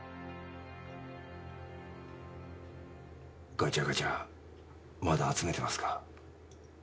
ガチャガチャまだ集めてますか？